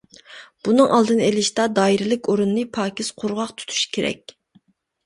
بۇنىڭ ئالدىنى ئېلىشتا دائىرىلىك ئورۇننى پاكىز، قۇرغاق تۇتۇش كېرەك.